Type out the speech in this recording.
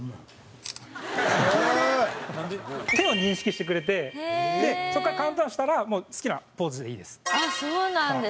手を認識してくれてそこからカウントダウンしたら好きなポーズでいいです。